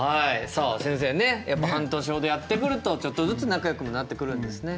さあ先生ねやっぱ半年ほどやってくるとちょっとずつ仲よくもなってくるんですね。